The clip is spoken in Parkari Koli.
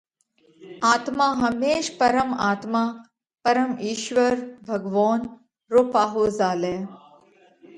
آتما ھيمش پرم آتما (پرم اِيشوَر، ڀڳوونَ) رو پاھو زھالئھ